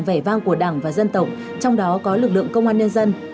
vẻ vang của đảng và dân tộc trong đó có lực lượng công an nhân dân